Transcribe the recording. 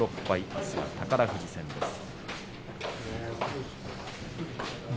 あすは宝富士戦です。